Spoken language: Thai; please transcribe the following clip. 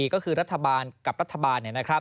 ก็คือรัฐบาลกับรัฐบาล